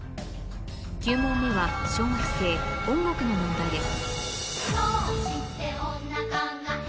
９問目は小学生音楽の問題です